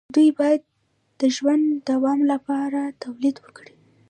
دوی باید د ژوند د دوام لپاره تولید وکړي.